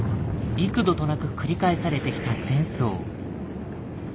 幾度となく繰り返されてきた戦争。